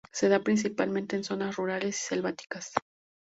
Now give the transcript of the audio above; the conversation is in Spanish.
Se da principalmente en zonas rurales y selváticas.